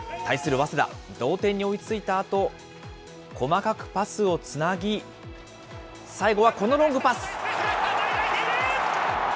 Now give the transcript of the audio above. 早稲田、同点に追い付いたあと、細かくパスをつなぎ、最後はこのロングパス。